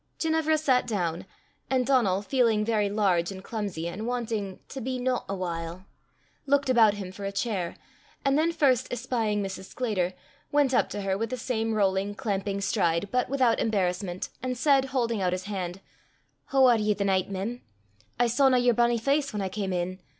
Ginevra sat down, and Donal, feeling very large and clumsy, and wanting to "be naught a while," looked about him for a chair, and then first espying Mrs. Sclater, went up to her with the same rolling, clamping stride, but without embarrassment, and said, holding out his hand, "Hoo are ye the nicht, mem? I sawna yer bonnie face whan I cam in.